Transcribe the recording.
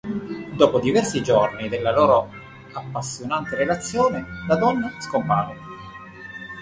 Dopo diversi giorni della loro appassionante relazione la donna scompare.